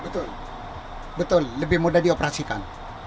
betul betul lebih mudah dioperasikan